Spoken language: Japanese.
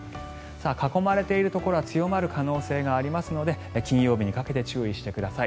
囲まれているところは強まる可能性がありますので金曜日にかけて注意してください。